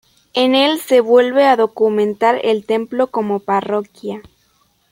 En el se vuelve a documentar el templo como parroquia.